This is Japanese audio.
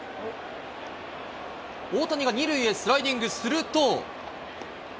大谷が２塁へスライディングすると。